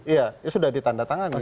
iya sudah ditandatangani